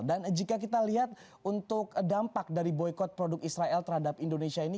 dan jika kita lihat untuk dampak dari boikot produk israel terhadap indonesia ini